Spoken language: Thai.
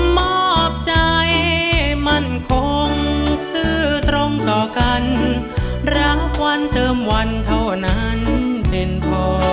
มอบใจมั่นคงซื้อตรงต่อกันรางวัลเติมวันเท่านั้นเป็นพอ